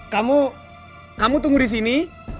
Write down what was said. kamu kamu tunggu di sini